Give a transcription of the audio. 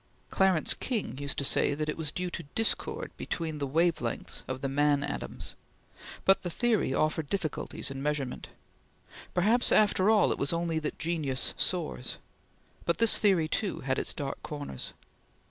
Clarence King used to say that it was due to discord between the wave lengths of the man atoms; but the theory offered difficulties in measurement. Perhaps, after all, it was only that genius soars; but this theory, too, had its dark corners.